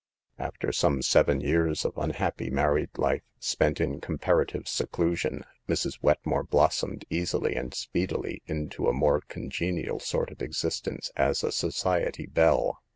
After some seven years of unhappy married life, spent in comparative seclusion, Mrs. Wetmore blossomed easily and speedily into a more congenial sort of existence as a society belle.